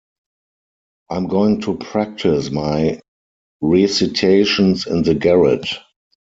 I’m going to practice my recitations in the garret.